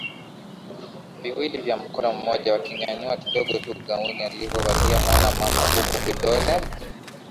viwili vya mkono mmoja wikinyanyua kidogo tu gauni alilovalia mwana mama huku kidole